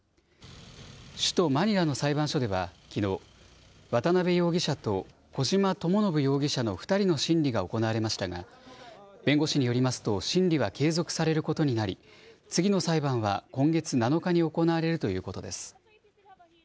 首都マニラの裁判所ではきのう、渡邉容疑者と小島智信容疑者の２人の審理が行われましたが、弁護士によりますと、審理は継続されることになり、次の裁判は今月７日に行われるということです。